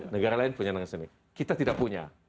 negara lain punya namanya sendiri kita tidak punya